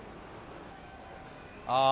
ああ。